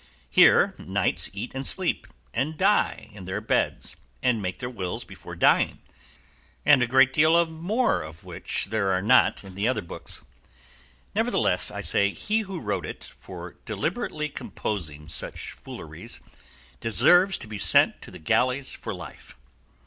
Here knights eat and sleep, and die in their beds, and make their wills before dying, and a great deal more of which there is nothing in all the other books. Nevertheless, I say he who wrote it, for deliberately composing such fooleries, deserves to be sent to the galleys for life.